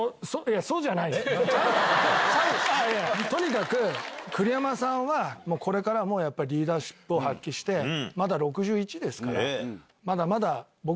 とにかく栗山さんはこれからもリーダーシップを発揮してまだ６１ですから。